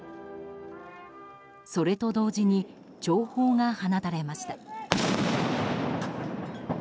それと同時に弔砲が放たれました。